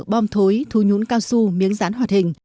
bom thối thu nhũng cao su miếng rán hoạt hình